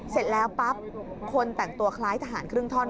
เสร็จแล้วปั๊บคนแต่งตัวคล้ายทหารครึ่งท่อน